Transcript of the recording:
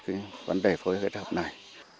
cái vấn đề phối hợp này